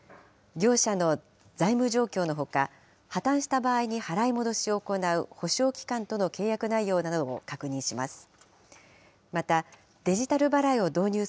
業者の財務状況のほか、破綻した場合に払い戻しを行う保証機関との契約内容などを確認します。